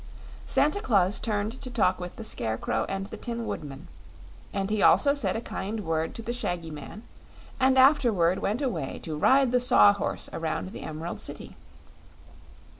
Santa Claus turned to talk with the Scarecrow and the Tin Woodman, and he also said a kind word to the shaggy man, and afterward went away to ride the Saw Horse around the Emerald City.